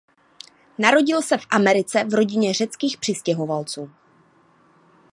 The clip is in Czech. Narodil se v Americe v rodině řeckých přistěhovalců.